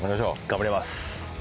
頑張ります。